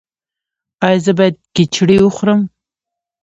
ایا زه باید کیچړي وخورم؟